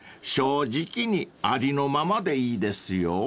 正直にありのままでいいですよ］